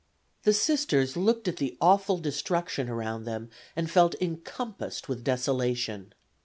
The Sisters looked at the awful destruction around them, and felt encompassed with desolation.